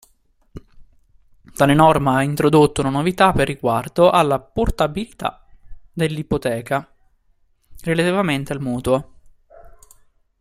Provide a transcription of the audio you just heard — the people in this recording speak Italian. Tale norma ha introdotto una novità per riguardo alla portabilità dell'ipoteca relativamente al mutuo.